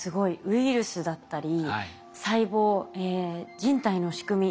ウイルスだったり細胞人体の仕組み